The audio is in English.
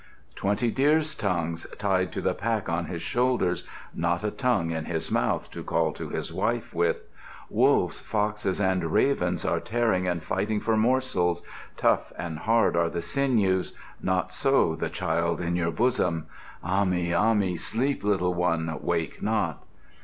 "'Twenty deer's tongues tied to the pack on his shoulders; Not a tongue in his mouth to call to his wife with. Wolves, foxes, and ravens are tearing and fighting for morsels. Tough and hard are the sinews; not so the child in your bosom?' Ahmi, Ahmi, sleep, little one, wake not!